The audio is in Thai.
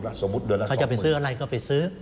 สมมุติเดือนแล้วเขาจะไปซื้ออะไรก็ไปซื้อ